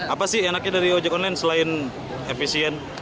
apa sih enaknya dari ojek online selain efisien